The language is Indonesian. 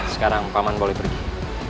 sekarang paman boleh pergi